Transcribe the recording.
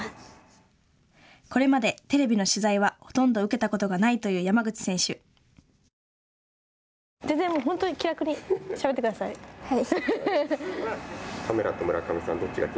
これまでテレビの取材はほとんど受けたことがないという全然本当に気楽にはい。